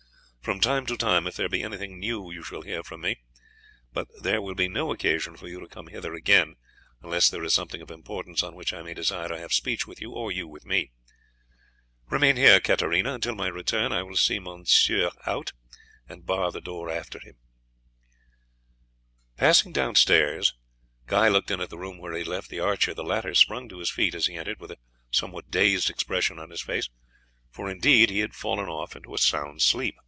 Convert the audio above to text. From time to time if there be anything new you shall hear from me, but there will be no occasion for you to come hither again unless there is something of importance on which I may desire to have speech with you, or you with me. Remain here, Katarina, until my return; I will see monsieur out, and bar the door after him." [Illustration: GUY AND LONG TOM COME TO THE RESCUE OF COUNT CHARLES.] Passing downstairs Guy looked in at the room where he had left the archer. The latter sprung to his feet as he entered with a somewhat dazed expression on his face, for indeed, he had fallen off into a sound sleep.